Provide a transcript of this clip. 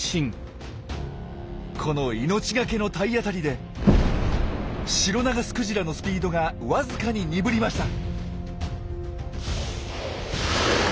この命懸けの体当たりでシロナガスクジラのスピードがわずかに鈍りました。